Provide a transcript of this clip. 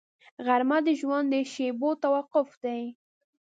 غرمه د ژوند د شېبو توقف دی